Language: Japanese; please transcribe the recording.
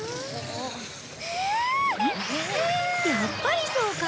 やっぱりそうか。